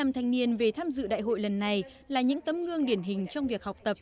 bốn trăm bốn mươi năm thanh niên về tham dự đại hội lần này là những tấm gương điển hình trong việc học tập